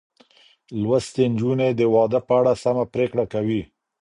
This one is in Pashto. لوستې نجونې د واده په اړه سمه پرېکړه کوي.